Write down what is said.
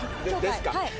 はい。